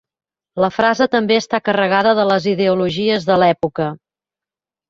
La frase també està carregada de les ideologies de l'època.